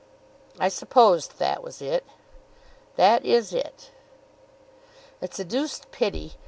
"I supposed that was it." "That is it." "It's a deuced pity.